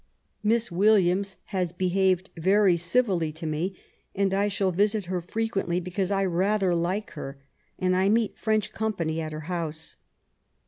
Miss Williams has behaved very civilly to me, and I shall visit her frequently because I ra^r like her, and I meet French company at her house.